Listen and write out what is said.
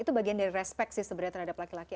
itu bagian dari respect sih sebenarnya terhadap laki laki